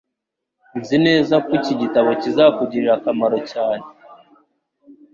Nzi neza ko iki gitabo kizakugirira akamaro cyane.